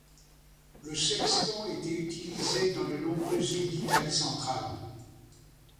Le sextans était utilisé dans de nombreuses villes d'Italie centrale.